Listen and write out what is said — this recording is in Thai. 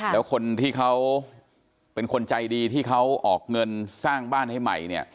แล้วคนที่เขาเป็นคนใจดีที่เขาออกเงินสร้างบ้านให้ใหม่เนี่ย